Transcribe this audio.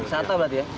misal itu berarti ya